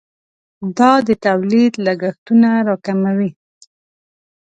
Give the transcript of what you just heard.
دا د تولید لګښتونه راکموي.